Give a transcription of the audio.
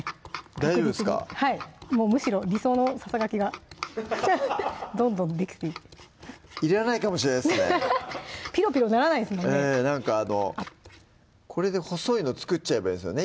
大丈夫ですかもうむしろ理想のささがきがどんどんできていくいらないかもしれないですねピロピロならないですもんねええなんかあのこれで細いの作っちゃえばいいんですよね